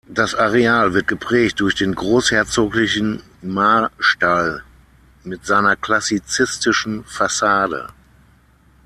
Das Areal wird geprägt durch den großherzoglichen Marstall mit seiner klassizistischen Fassade.